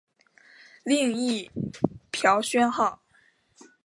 另译朴宣浩。